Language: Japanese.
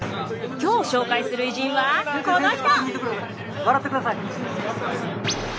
今日紹介する偉人はこの人！